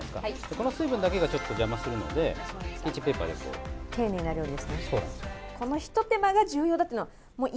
この水分だけがちょっと邪魔するので、ティッシュペーパーで。